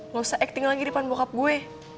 gak usah acting lagi di depan bokap gue